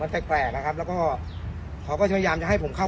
มันแปลกแปลกแล้วแล้วก็เขาก็กำลังจะให้ผมเข้า